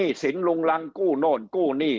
ครอบครัวที่มีหนี้สินลุงรังกู้โน่นกู้หนี้